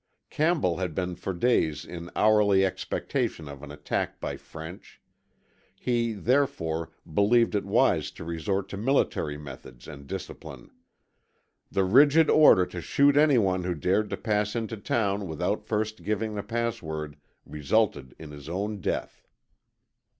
Campbell had been for days in hourly expectation of an attack by French. He, therefore, believed it wise to resort to military methods and discipline. The rigid order to shoot any one who dared to pass into town without first giving the pass word resulted in his own death.